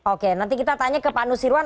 oke nanti kita tanya ke pak nusirwan